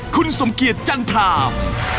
คุณสมเกียจจันทราม